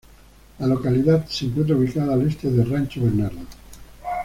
La localidad se encuentra ubicada al este de Rancho Bernardo.